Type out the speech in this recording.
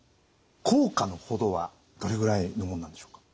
効果の程はどれぐらいのもんなんでしょうか？